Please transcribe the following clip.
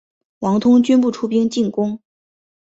王通均不出兵进攻。